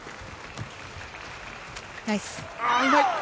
ナイス。